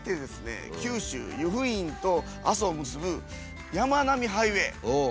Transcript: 九州湯布院と阿蘇を結ぶやまなみハイウェイ。